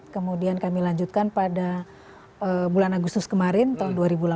kemudian kami lanjutkan pada bulan agustus kemarin tahun dua ribu delapan belas